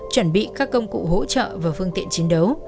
chuẩn bị các công cụ hỗ trợ và phương tiện chiến đấu